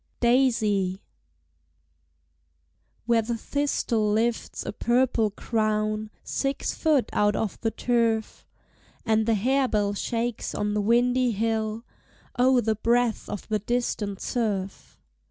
DAISY. Where the thistle lifts a purple crown Six foot out of the turf, And the harebell shakes on the windy hill O the breath of the distant surf!